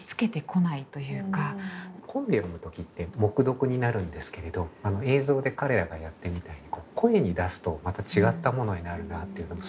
本で読む時って黙読になるんですけれどあの映像で彼らがやったみたいな声に出すとまた違ったものになるなっていうのもすごく思って。